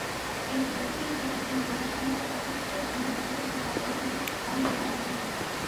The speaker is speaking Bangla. এই যুবকটিই যে একদিন ব্রাহ্মসমাজে অত্যুচ্চ স্থান অধিকার করিবে সকলেরই মনে এই আশা ছিল।